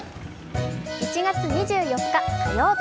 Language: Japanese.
１月２４日火曜日